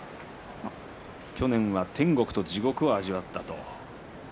去年は天国と地獄を味わったと。